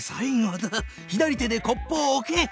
左手でコップを置け！